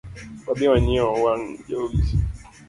Wadhi wanyiew wang jowi.